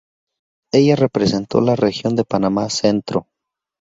Ella representó la Región de Panamá Centro.